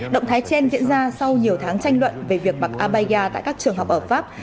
động thái trên diễn ra sau nhiều tháng tranh luận về việc mặc abaya tại các trường học ở pháp